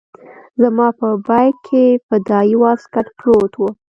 زما په بېګ کښې فدايي واسکټ پروت و.